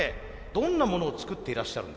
どんなものを作っていらっしゃるんですか？